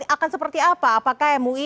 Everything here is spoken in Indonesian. akan seperti apa apakah mui